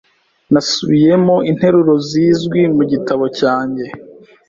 Nasubiyemo interuro zizwi mu gitabo cyanjye.